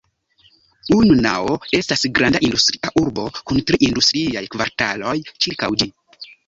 Unnao estas granda industria urbo kun tri industriaj kvartaloj ĉirkaŭ ĝi.